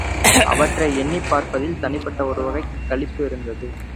அவற்றை எண்ணிப் பார்ப்பதில் தனிப்பட்ட ஒருவகைக் களிப்பு இருந்தது.